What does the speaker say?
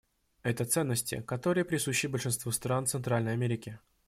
Это ценности, которые присущи большинству стран Центральной Америки.